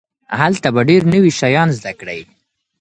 هلته به ډېر نوي شيان زده کړئ.